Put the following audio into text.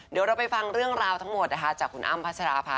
เดี๋ยวเราไปฟังเรื่องราวทั้งหมดนะคะจากคุณอ้ำพัชราภา